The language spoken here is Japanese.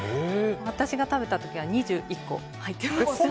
私が食べた時は２１個、入ってました。